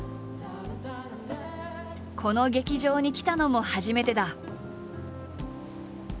この劇場に来たのも初めてだ。